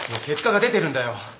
結果が出てるんだよ。